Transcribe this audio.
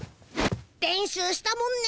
練習したもんね